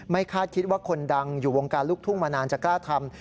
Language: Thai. คาดคิดว่าคนดังอยู่วงการลูกทุ่งมานานจะกล้าทำ